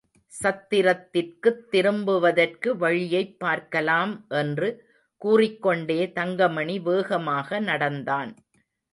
சத்திரத்திற்குத் திரும்புவதற்கு வழியைப் பார்க்கலாம் என்று கூறிக்கொண்டே தங்கமணி வேகமாக நடந்தான்.